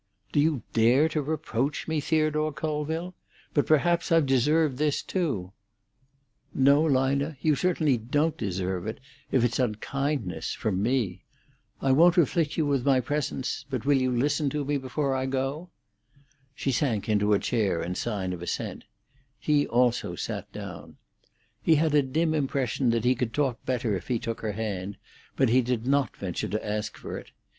"Do you dare to reproach me, Theodore Colville? But perhaps I've deserved this too." "No, Lina, you certainly don't deserve it, if it's unkindness, from me. go?" She sank into a chair in sign of assent. He also sat down. He had a dim impression that he could talk better if he took her hand, but he did not venture to ask for it.